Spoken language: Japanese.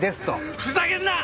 ふざけんなっ！！